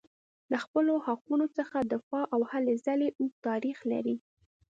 له خپلو حقونو څخه دفاع او هلې ځلې اوږد تاریخ لري.